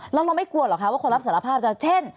แล้วเราไม่กลัวเหรอคะว่าคนรับสารภาพจะเช่น